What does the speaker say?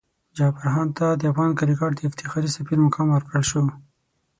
جعفر هاند ته د افغان کرکټ د افتخاري سفیر مقام ورکړل شو.